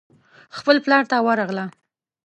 خپل پلار ته ورغله.